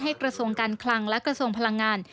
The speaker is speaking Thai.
กระทรวงการคลังและกระทรวงพลังงาน